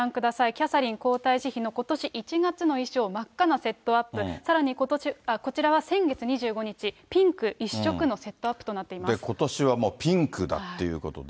キャサリン皇太子妃のことし１月の衣装、真っ赤なセットアップ、さらにこちらは先月２５日、ピンク一色のセットアップとなっていで、ことしはもうピンクだっていうことで。